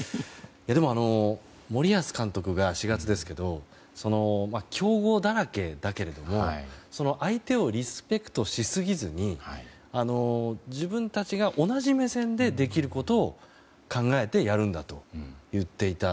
でも、森保監督が４月強豪だらけだけども相手をリスペクトしすぎずに自分たちが同じ目線でできることを考えてやるんだと言っていた。